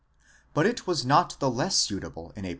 7 But it was not the less suitable in a.